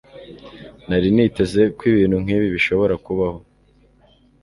Nari niteze ko ibintu nkibi bishobora kubaho.